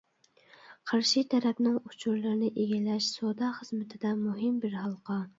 قارشى تەرەپنىڭ ئۇچۇرلىرىنى ئىگىلەش سودا خىزمىتىدە مۇھىم بىر ھالقا.